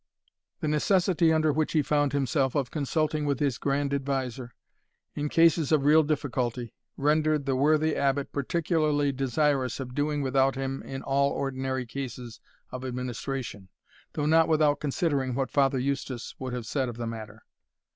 The necessity under which he found himself of consulting with his grand adviser, in cases of real difficulty, rendered the worthy Abbot particularly desirous of doing without him in all ordinary cases of administration, though not without considering what Father Eustace would have said of the matter.